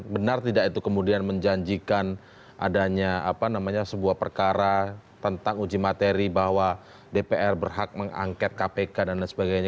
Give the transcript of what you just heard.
benar tidak itu kemudian menjanjikan adanya sebuah perkara tentang uji materi bahwa dpr berhak mengangket kpk dan lain sebagainya